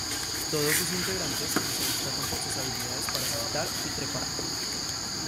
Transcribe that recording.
Todos sus integrantes se destacan por sus habilidades para saltar y trepar.